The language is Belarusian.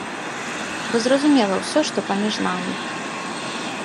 Бо зразумела ўсё, што паміж намі.